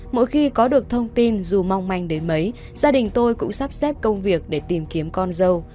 mỗi khi có được thông tin dù mong manh đến mấy gia đình tôi cũng sắp xếp công việc để tìm kiếm con dâu